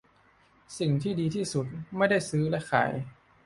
สิ่งที่ดีที่สุดไม่ได้ซื้อและขาย